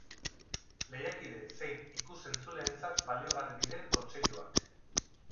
Lehiakide zein ikus-entzuleentzat baliogarri diren kontseiluak.